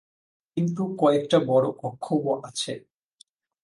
কিন্তু কয়েকটা বড়ো কক্ষও আছে।